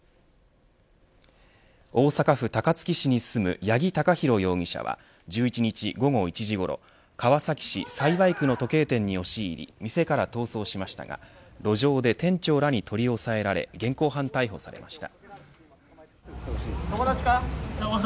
大阪府高槻市に住む八木貴寛容疑者は１１日午後１時ごろ川崎市幸区の時計店に押し入り店から逃走しましたが路上で店長らに取り押さえられ現行犯逮捕されました。